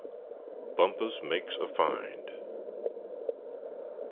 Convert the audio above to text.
BUMPUS MAKES A FIND.